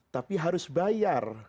tapi harus bayar